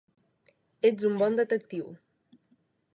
Ets un bon detectiu.